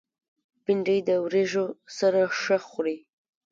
بېنډۍ د وریژو سره ښه خوري